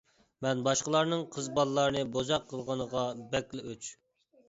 مەن باشقىلارنىڭ قىز بالىلارنى بوزەك قىلغىنىغا بەكلا ئۆچ.